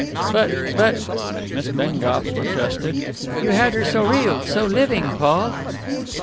"But but " Miss Bengough protested, "you had her so real, so living, Paul!"